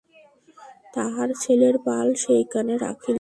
তাঁহার ছেলের পাল সেইখানে রাখিলেন।